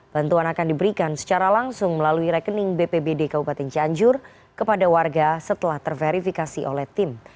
bantuan akan diberikan secara langsung melalui rekening bpbd kabupaten cianjur kepada warga setelah terverifikasi oleh tim